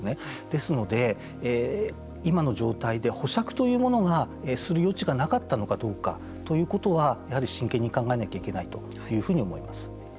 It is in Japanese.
ですので、今の状態で保釈というものがする余地はなかったのかどうかということはやはり真剣に考えないといけないというふうに思います。